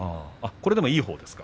これでもいいほうですか？